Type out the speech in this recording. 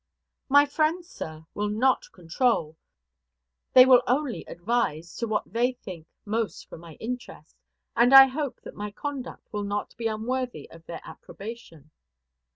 "My friends, sir, will not control, they will only advise to what they think most for my interest, and I hope that my conduct will not be unworthy of their approbation."